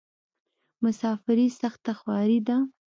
مسافري سخته خواری ده.